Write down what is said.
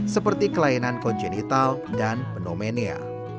seperti kelainan konjenital dan pneumonia